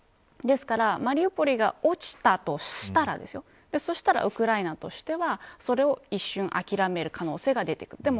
ですからマリウポリが陥ちたとしたらそしたらウクライナとしてはそれを一瞬諦める可能性が出てくる。